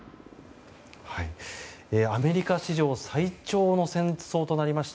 アメリカ史上最長の戦争となりました